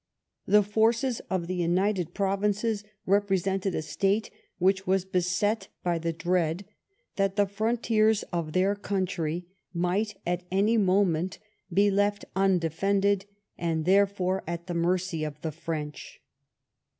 The forces of the United Provinces represented a state which was beset by the dread that the frontiers of their country might at any moment be left undefended, and, therefore, at the mercy of the French.